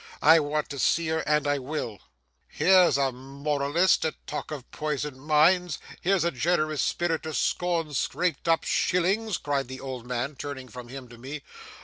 I want to see her; and I will.' 'Here's a moralist to talk of poisoned minds! Here's a generous spirit to scorn scraped up shillings!' cried the old man, turning from him to me.